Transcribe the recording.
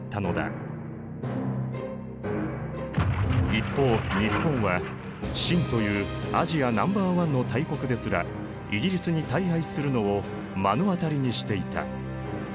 一方日本は清というアジアナンバーワンの大国ですらイギリスに大敗するのを目の当たりにしていた。